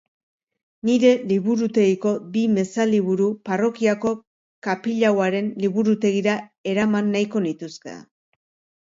Nire liburutegiko bi meza-liburu parrokiako kapilauaren liburutegira eraman nahiko nituzke.